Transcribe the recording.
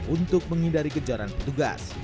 untuk menghindari kejaran petugas